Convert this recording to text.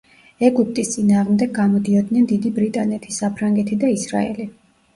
ეგვიპტის წინააღმდეგ გამოდიოდნენ დიდი ბრიტანეთი, საფრანგეთი და ისრაელი.